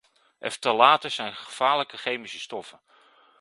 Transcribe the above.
Ftalaten zijn gevaarlijke chemische stoffen.